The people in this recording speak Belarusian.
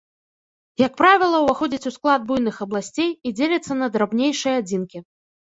Як правіла, уваходзіць у склад буйных абласцей і дзеліцца на драбнейшыя адзінкі.